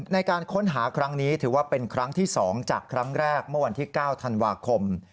ในการค้นหาครั้งนี้ถือว่าเป็นครั้งที่๒จากครั้งแรกเมื่อวันที่๙ธันวาคม